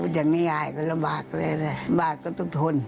อย่างนี้ยายก็ลำบากเลยแหละบาดก็ต้องทน